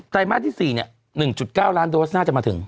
ไตรมาสที่๔เนี่ย๑๙ล้านโดยเศรษฐ์น่าจะมาถึง